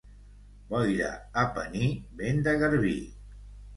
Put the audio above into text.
Boira a Pení, vent de garbí.